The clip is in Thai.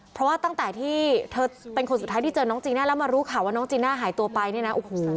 เพราะว่าตั้งแต่ที่เธอเป็นคนสุดท้ายที่เจอน้องจีน่าแล้วมารู้ข่าวว่าน้องจีน่าหายตัวไปเนี่ยนะโอ้โห